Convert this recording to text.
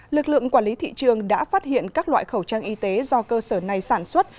lực lượng quản lý thị trường đã phát hiện các loại khẩu trang y tế do cơ sở này sản xuất